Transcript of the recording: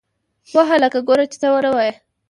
وه هلکه گوره چې څه ونه وايې.